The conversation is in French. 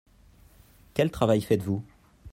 Quel travail faites-vous ?